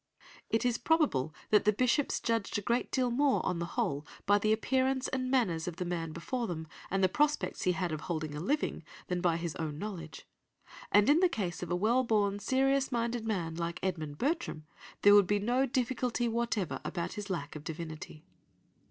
It is probable that the Bishops judged a great deal more, on the whole, by the appearance and manners of the man before them, and the prospects he had of holding a living, than by his own knowledge, and in the case of a well born, serious minded man like Edmund Bertram there would be no difficulty whatever about his lack of divinity.